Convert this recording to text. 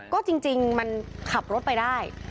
ก็จริงมันขับรถไปได้